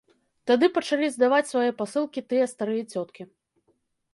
Тады пачалі здаваць свае пасылкі тыя старыя цёткі.